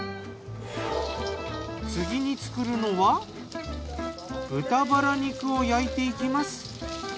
次に作るのは豚バラ肉を焼いていきます。